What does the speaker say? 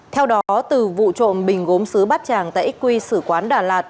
theo đó từ vụ trộm bình gốm xứ bắt chàng tại xq sử quán đà lạt